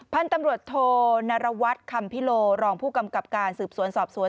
พันธุ์ตำรวจโทนรวัตรคำพิโลรองผู้กำกับการสืบสวนสอบสวน